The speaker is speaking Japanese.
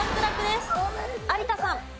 有田さん。